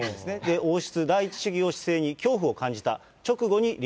王室第一主義の姿勢に恐怖を感じた。